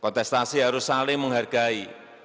kontestasi harus saling menghargai